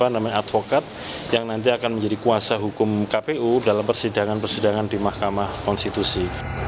namanya advokat yang nanti akan menjadi kuasa hukum kpu dalam persidangan persidangan di mahkamah konstitusi